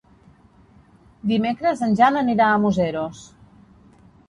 Dimecres en Jan anirà a Museros.